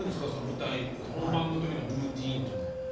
舞台本番の時のルーティーンっていうのは。